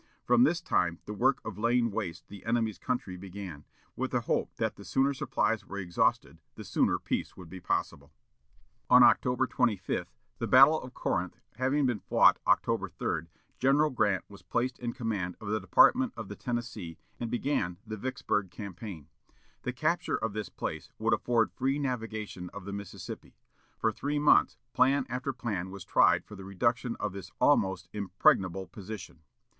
From this time the work of laying waste the enemy's country began, with the hope that the sooner supplies were exhausted the sooner peace would be possible. On October 25, the battle of Corinth having been fought October 3, General Grant was placed in command of the Department of the Tennessee, and began the Vicksburg campaign. The capture of this place would afford free navigation of the Mississippi. For three months plan after plan was tried for the reduction of this almost impregnable position.